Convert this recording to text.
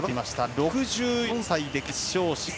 ６４歳で決勝進出。